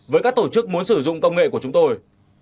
với các tổ chức muốn sử dụng công nghệ của chúng tôi